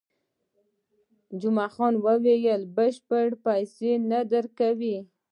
جمعه خان وویل، بشپړې پیسې نه درکوي.